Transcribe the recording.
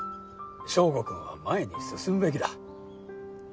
祥吾くんは前に進むべきだ。